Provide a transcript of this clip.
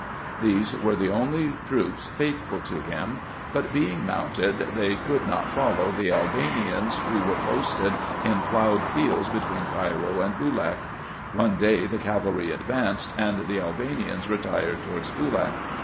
These were the only troops faithful to him ; but being mounted, they could not follow the Albanians, who were posted in ploughed fields between Cairo and Boolak. One day the cavalry advanced, and the Albanians retired towards Boolak.